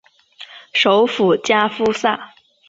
首府加夫萨。